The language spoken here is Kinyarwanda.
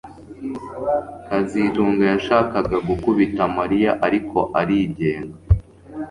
kazitunga yashakaga gukubita Mariya ariko arigenga